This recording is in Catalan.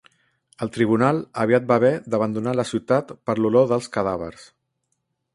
El Tribunal aviat va haver d'abandonar la ciutat per l'olor dels cadàvers.